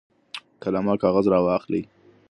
قلم او کاغذ راواخلئ.